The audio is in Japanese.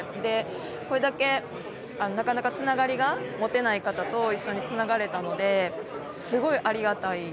これだけなかなかつながりが持てない方と一緒につながれたのですごいありがたいです